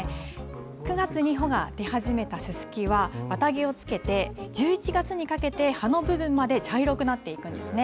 ９月に穂が出始めたすすきは、綿毛をつけて１１月にかけて葉の部分まで茶色くなっていくんですね。